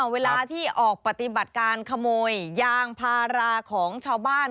เวลาที่ออกปฏิบัติการขโมยยางพาราของชาวบ้าน